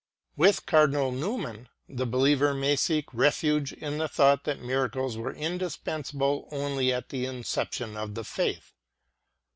With Cardinal Newman, the be liever may seek refuge in the thought that miracles were indispensable only at the inception of the Faith.